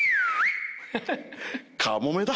カモメだ。